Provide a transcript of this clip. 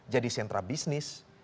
jadi sentra bisnis